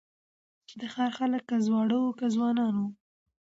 د ښار خلک که زاړه وه که ځوانان وه